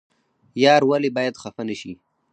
یار ولې باید خفه نشي؟